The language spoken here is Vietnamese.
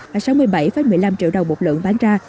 và sáu mươi bảy một mươi năm triệu đồng một lượng bán ra